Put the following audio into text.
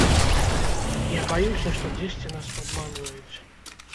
Я баюся, што дзесьці нас падманваюць.